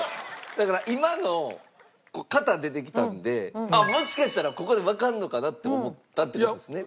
だから今の型出てきたんでもしかしたらここでわかるのかなって思ったって事ですね